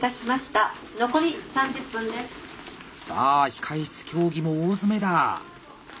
さあ控え室競技も大詰めだ！